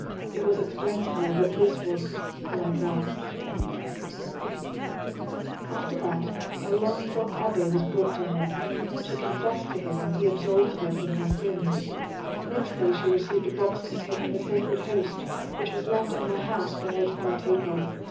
It was explained to her that this was la grâce. After that a long frocked abbé was brought to her. She confessed to him, and he absolved her from her sins. Next day she received a box containing the Sacred Host, which was left at her house for her to partake of.